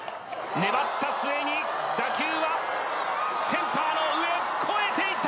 粘った末に打球はセンターの上、越えていった！